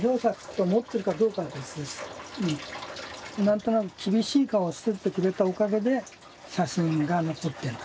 何となく厳しい顔をしててくれたおかげで写真が残ってる。